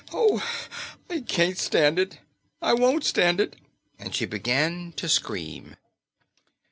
Oh, I can't stand it! I won't stand it!" And she began to scream.